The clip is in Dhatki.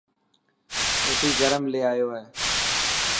روٽي گرم لي آيو هي.